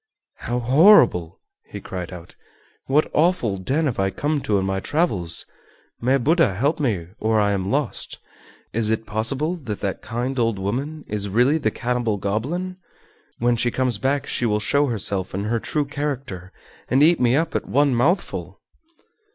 "How horrible!" he cried out. "What awful den have I come to in my travels? May Buddha help me or I am lost. Is it possible that that kind old woman is really the cannibal goblin? When she comes back she will show herself in her true character and eat me up at one mouthful!"